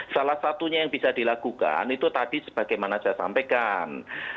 salah satunya yang bisa dilakukan itu tadi sebagaimana saya sampaikan